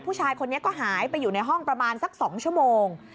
ผู้ชายคนนี้ก็หายไปอยู่ในห้องประมาณสัก๒ชั่วโมง